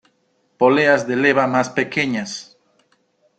Poleas de leva más pequeñas.